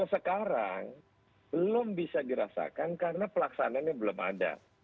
sekarang belum bisa dirasakan karena pelaksananya belum ada